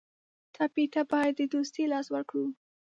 ټپي ته باید د دوستۍ لاس ورکړو.